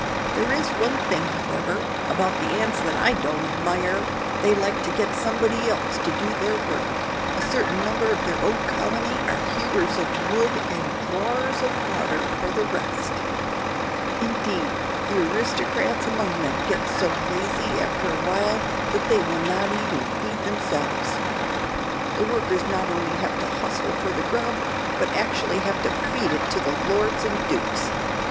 "There is one thing, however, about the ants that I don't admire. They like to get somebody else to do their work. A certain number of their own colony are 'hewers of wood and drawers of water' for the rest. Indeed, the aristocrats among them get so lazy after a while that they will not even feed themselves. The workers not only have to hustle for the grub, but actually have to feed it to the lords and dukes.